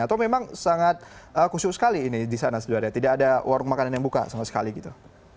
atau memang sangat khusyuk sekali ini di sana sebenarnya tidak ada warung makanan yang buka sama sekali gitu